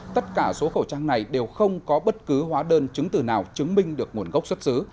tất cả số khẩu trang này đều không có bất cứ hóa đơn chứng từ nào chứng minh được nguồn gốc xuất xứ